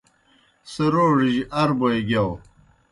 سہ روڙِجیْ ارّ بوئے گِیاؤ۔